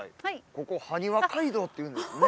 ここハニワ街道っていうんですね。